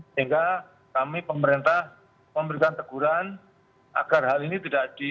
sehingga kami pemerintah memberikan teguran agar hal ini tidak di